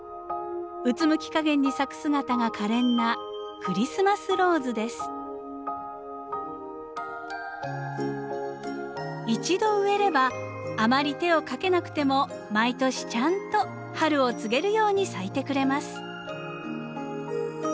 うつむき加減に咲く姿が可憐な一度植えればあまり手をかけなくても毎年ちゃんと春を告げるように咲いてくれます。